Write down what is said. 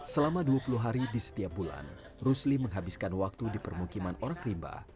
selama dua puluh hari di setiap bulan rusli menghabiskan waktu di permukiman orang rimba